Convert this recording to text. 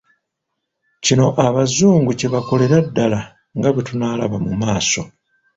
Kino nno Abazungu kye baakolera ddala nga bwe tunaalaba mu maaso.